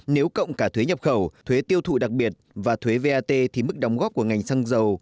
nếu cộng cả thuế nhập khẩu thuế tiêu thụ đặc biệt và thuế vat thì mức đóng góp của ngành xăng dầu